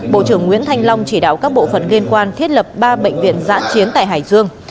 bộ trưởng nguyễn thanh long chỉ đạo các bộ phận liên quan thiết lập ba bệnh viện giã chiến tại hải dương